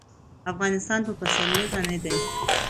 افغانستان په پسرلی غني دی.